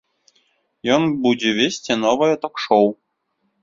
Ён будзе весці новае ток-шоў.